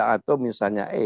atau misalnya e